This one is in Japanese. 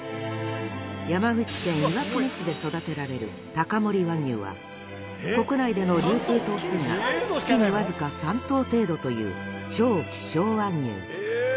山口県岩国市で育てられる高森和牛は国内での流通総数が月にわずか３頭程度という超希少和牛。